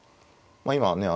今はね